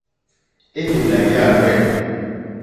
Élèlà yârzɛ̂.